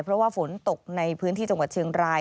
เพราะว่าฝนตกในพื้นที่จังหวัดเชียงราย